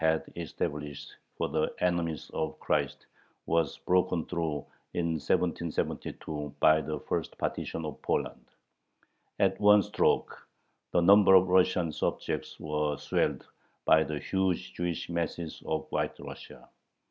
had established for the "enemies of Christ," was broken through in 1772 by the first partition of Poland. At one stroke the number of Russian subjects was swelled by the huge Jewish masses of White Russia.